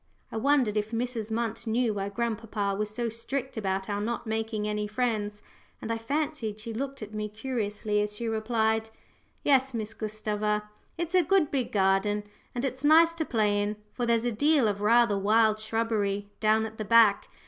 I wondered if Mrs. Munt knew why grandpapa was so strict about our not making any friends; and I fancied she looked at me curiously as she replied "Yes, Miss Gustava; it's a good big garden, and it's nice to play in, for there's a deal of rather wild shrubbery down at the back.